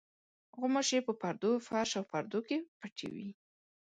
غوماشې په پردو، فرش او پردو کې پټې وي.